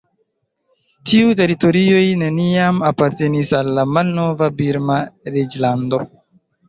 Tiuj teritorioj neniam apartenis al la malnova birma reĝlando.